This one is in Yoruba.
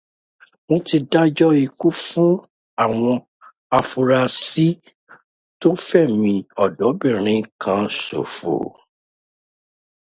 Wọ́n ti dájọ́ ikú fún àwọn afurasí tó fẹ̀mí ọ̀dọ́bìnrin kan ṣòfò.